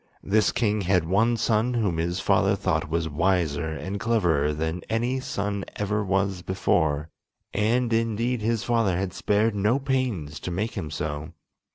This king had one son whom his father thought was wiser and cleverer than any son ever was before, and indeed his father had spared no pains to make him so.